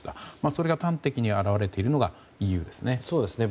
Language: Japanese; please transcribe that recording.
それが端的に表れているのがＥＵですね。